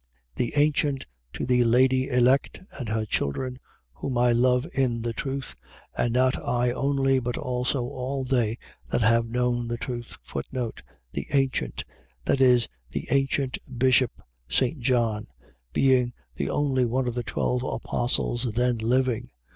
1:1. The Ancient to the lady Elect and her children, whom I love in the truth: and not I only, but also all they that have known the truth, The ancient. . .That is, the ancient bishop St. John, being the only one of the twelve apostles then living.